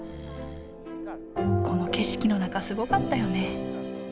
この景色の中すごかったよね。